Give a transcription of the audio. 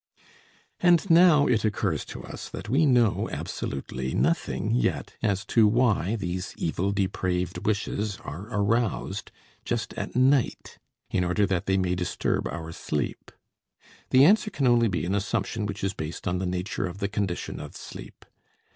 And now it occurs to us that we know absolutely nothing yet as to why these evil, depraved wishes are aroused just at night, in order that they may disturb our sleep. The answer can only be an assumption which is based on the nature of the condition of sleep.